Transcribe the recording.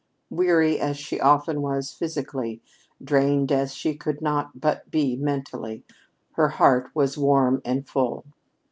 Weary as she often was physically, drained as she could not but be mentally, her heart was warm and full.